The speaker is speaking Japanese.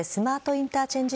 インターチェンジ